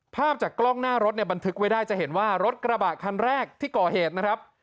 ภาพจากกล้องหน้ารถเนี่ยบันทึกไว้ได้จะเห็นว่ารถกระบะคันแรกที่ก่อเหตุนะครับ